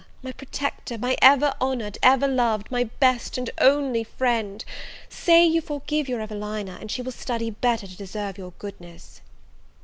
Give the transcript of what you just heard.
my protector! my ever honoured, ever loved my best and only friend! say you forgive your Evelina, and she will study better to deserve your goodness!"